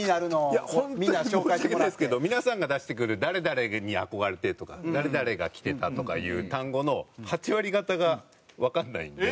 いや本当に申し訳ないですけど皆さんが出してくる「誰々に憧れて」とか「誰々が着てた」とかいう単語の８割方がわからないんで。